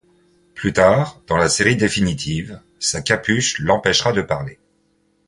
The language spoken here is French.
Plus tard, dans la série définitive, sa capuche l'empêchera de parler.